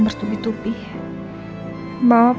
mama pasti kondisi mama jadi kayak gini